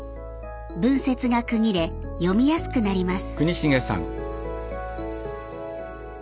文節が区切れ読みやすくなります。